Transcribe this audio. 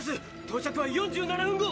到着は４７分後！